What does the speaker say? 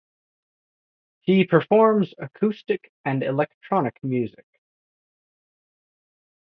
He performs acoustic and electronic music.